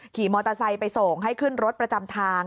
ขี่มอเตอร์ไซค์ไปส่งให้ขึ้นรถประจำทาง